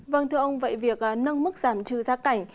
vâng thưa ông vậy việc nâng mức giảm trừ gia cảnh